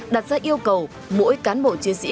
đặt ra yêu cầu mỗi cán bộ chiến sĩ